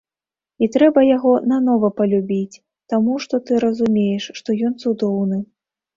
І трэба яго нанова палюбіць, таму што ты разумееш, што ён цудоўны.